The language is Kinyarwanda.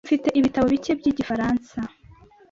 Mfite ibitabo bike byigifaransa .